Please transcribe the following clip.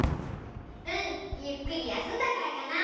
うんゆっくりやすんだからかな。